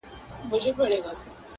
اوس مي د زړه كورگى تياره غوندي دى~